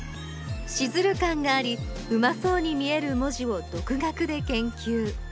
シズル感がありうまそうに見える文字を独学で研究。